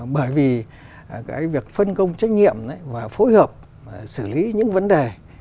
bởi vì cái việc phân công trách nhiệm và phối hợp xử lý những vấn đề